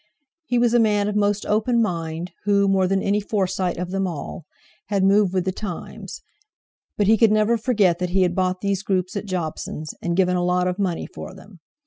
He was a man of most open mind, who, more than any Forsyte of them all, had moved with the times, but he could never forget that he had bought these groups at Jobson's, and given a lot of money for them.